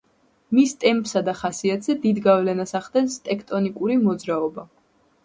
მის ტემპსა და ხასიათზე დიდ გავლენას ახდენს ტექტონიკური მოძრაობა.